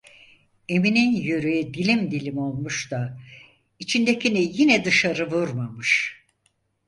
Emine'nin yüreği dilim dilim olmuş da içindekini yine dışarı vurmamış…